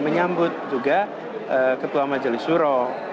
menyambut juga ketua majelis suro